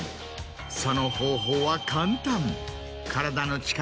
その方法は簡単。